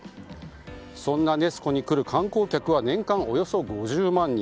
そんなネス湖に来る観光客は年間およそ５０万人。